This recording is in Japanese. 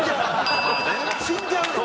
死んじゃうの？